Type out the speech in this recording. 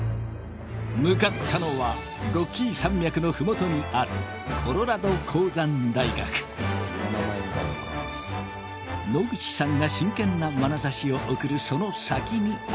向かったのはロッキー山脈のふもとにある野口さんが真剣なまなざしを送るその先にあったのは。